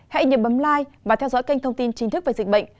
hãy nhấn bấm like và theo dõi kênh thông tin chính thức về dịch bệnh